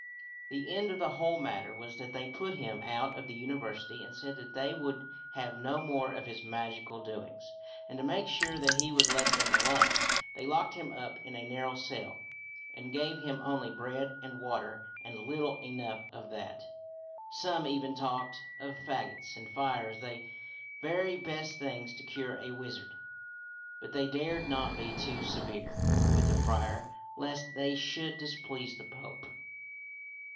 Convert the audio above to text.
The end of the whole matter was that they put him out of the university and said that they would have no more of his magical doings. And to make sure that he would let them alone, they locked him up in a narrow cell and gave him only bread and water, and little enough of that. Some even talked of fagots and fire as the very best things to cure a wizard ; but they dared not be too severe with the friar lest they should displease the Pope.